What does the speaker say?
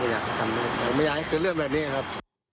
ไม่ค่อยอยากทำไม่อยากให้เสร็จเรื่องแบบนี้ครับ